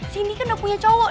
sini kan udah punya cowok